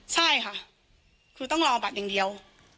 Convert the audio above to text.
ใช่ค่ะคือต้องรอบัตรอย่างเดียว